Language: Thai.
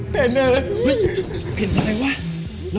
บอกแล้วไงให้กลับ